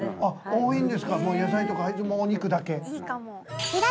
多いんですか野菜とか入れずもうお肉だけ。